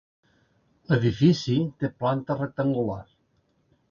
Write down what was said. L'edifici té planta rectangular.